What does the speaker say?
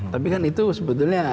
tapi kan itu sebetulnya